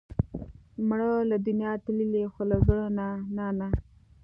مړه له دنیا تللې، خو له زړه نه نه